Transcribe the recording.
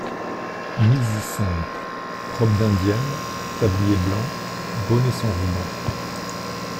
Mise simple : robe d’indienne, tablier blanc, bonnet sans rubans.